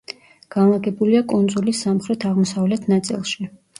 განლაგებულია კუნძულის სამხრეთ-აღოსავლეთ ნაწილში.